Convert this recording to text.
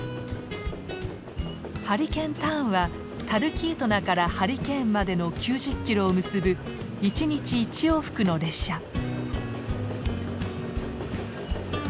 ハリケーンターンはタルキートナからハリケーンまでの９０キロを結ぶ１日１往復の列車。